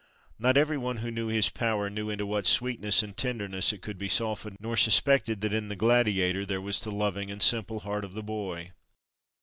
Not every one who knew his power knew into what sweetness and tenderness it could be softened, nor suspected that in the gladiator there was the loving and simple heart of the boy.